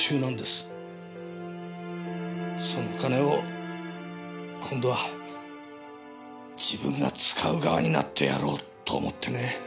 その金を今度は自分が使う側になってやろうと思ってね。